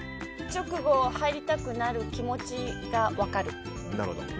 直後入りたくなる気持ちが分かる。